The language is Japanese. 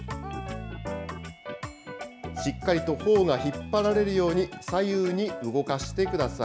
しっかりとほおが引っ張られるように左右に動かしてください。